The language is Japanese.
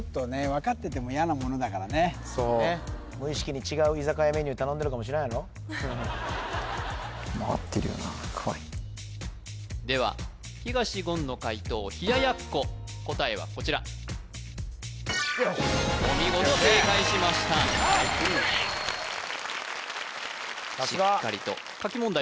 無意識に違う居酒屋メニュー頼んでるかもしれない合ってるよな怖いでは東言の解答ひややっこ答えはこちらお見事正解しましたしっかりと書き問題